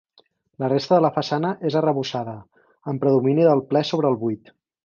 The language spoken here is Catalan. La resta de la façana és arrebossada, amb predomini del ple sobre el buit.